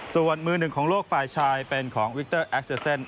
ส่วนมือหนึ่งของโลกฝ่ายชายเป็นของวิกเตอร์แอคเซอร์เซน